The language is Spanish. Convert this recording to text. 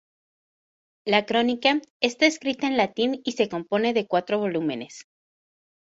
La crónica está escrita en latín y se compone de cuatro volúmenes.